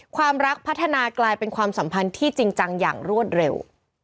ความรักพัฒนากลายเป็นความสัมพันธ์ที่จริงจังอย่างรวดเร็ว